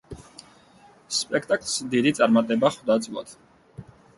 სპექტაკლს დიდი წარმატება ხვდა წილად.